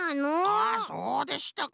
あそうでしたか。